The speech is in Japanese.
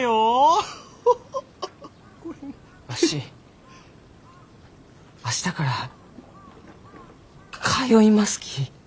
わし明日から通いますき。